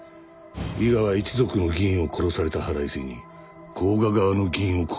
伊賀は一族の議員を殺された腹いせに甲賀側の議員を殺そうとしている。